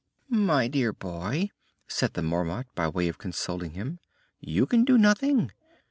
"My dear boy," said the Marmot, by way of consoling him, "you can do nothing.